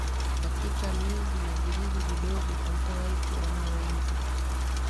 Katika miji na vijiji vidogo hautawahi kuona wenzi